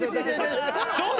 どうだ？